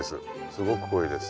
すごく濃いです。